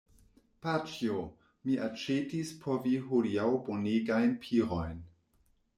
Paĉjo, mi aĉetis por vi hodiaŭ bonegajn pirojn.